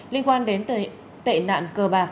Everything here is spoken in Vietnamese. linh quan đến tệ nạn cờ bạc